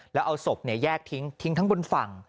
แล้วเอาศพเนี่ยแยกทิ้งทิ้งทั้งบนฝั่ง